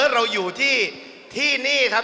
เราอยู่ที่นี่ครับ